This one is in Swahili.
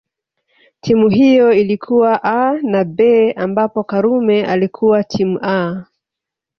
Timu hiyo ilikuwa A na B ambapo Karume alikuwa timu A